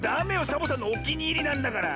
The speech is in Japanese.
サボさんのおきにいりなんだから。